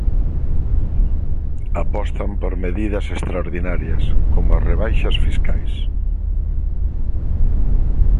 Apostan por medidas extraordinarias, como as rebaixas fiscais.